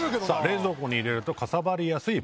冷蔵庫に入れるとかさばりやすいポリ袋。